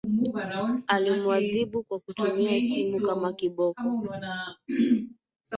Alimwadhibu kwa kutumia simu kama kiboko.